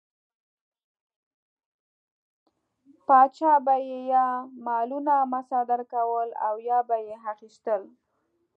پاچا به یې یا مالونه مصادره کول او یا به یې اخیستل.